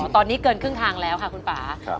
ตอนนี้เกินครึ่งทางแล้วค่ะคุณป่า